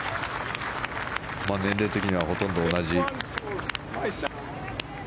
年齢的にはほとんど同じ。